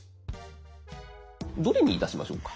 どれにいたしましょうか？